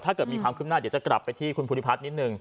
ถ้าเกิดมีความคืบหน้าเดี๋ยวจะกลับไปที่คุณภูริพัฒน์นิดนึง